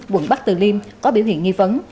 quận bắc từ liêm có biểu hiện nghi vấn